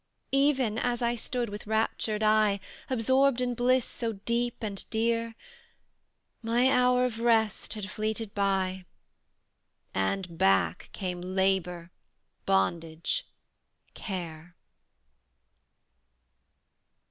Even as I stood with raptured eye, Absorbed in bliss so deep and dear, My hour of rest had fleeted by, And back came labour, bondage, care.